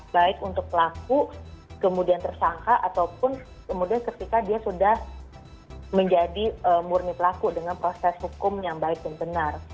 baik untuk pelaku kemudian tersangka ataupun kemudian ketika dia sudah menjadi murni pelaku dengan proses hukum yang baik dan benar